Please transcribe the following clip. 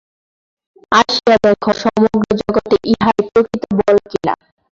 আসিয়া দেখ, সমগ্র জগতে ইহাই প্রকৃত বল কি না।